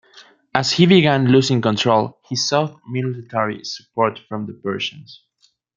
As he began losing control, he sought military support from the Persians.